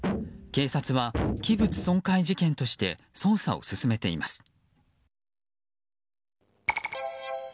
警察は器物損壊事件として捜査を進めています。